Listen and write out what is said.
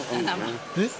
えっ？